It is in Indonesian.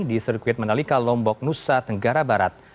di sirkuit mandalika lombok nusa tenggara barat